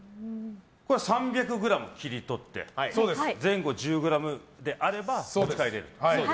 これ、３００ｇを切り取って前後１０ｇであれば持ち帰れると。